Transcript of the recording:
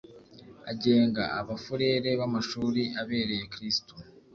agenga Abafurere b Amashuri abereye Kristu